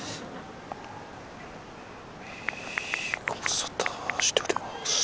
「ご無沙汰しております。